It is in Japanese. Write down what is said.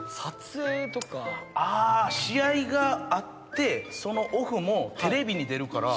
あ試合があってそのオフもテレビに出るから。